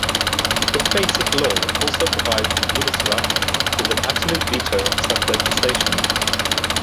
The Basic Law also provides the Bundesrat with an absolute veto of such legislation.